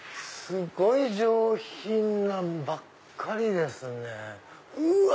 すっごい上品なんばっかりですね。